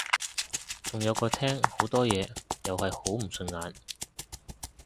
仲有個廳好多嘢又係好唔順眼